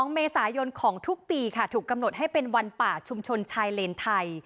๒เมษายนของทุกปีค่ะถูกกำหนดให้เป็นวันป่าชุมชนชายเลนไทย